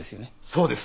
そうです。